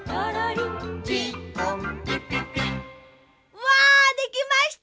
うわできました！